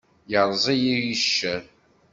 Yerreẓ-iyi yiccer.